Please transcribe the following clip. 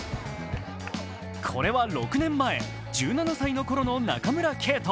これは６年前、１７歳のころの中村敬斗。